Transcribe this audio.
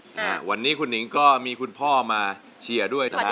อ่ะวันที่คุณนิ้งก็มีคุณพ่อมาฉีอด้วยนะครับ